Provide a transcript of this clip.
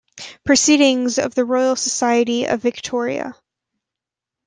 Proceedings of the Royal Society of Victoria.